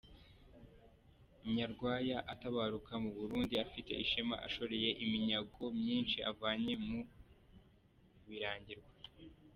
Nyarwaya atabaruka mu Burundi afite ishema ashoreye iminyago myinshi avanye mu Birangirwa.